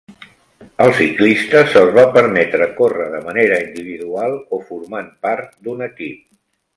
Als ciclistes se'ls va permetre córrer de manera individual o formant part d'un equip.